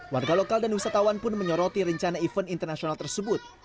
warga lokal dan wisatawan pun menyoroti rencana event internasional tersebut